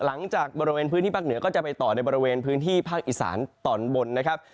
หลังจากบริเวณพื้นที่ภาคเหนือก็จะไปต่อในบริเวณพื้นที่ภาคอีสานตอนบนนะครับ